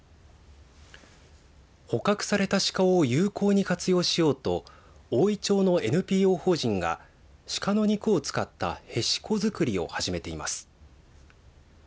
捕獲されたシカを有効に活用しようとおおい町のＮＰＯ法人がシカの肉を使ったへしこづくりを始めています。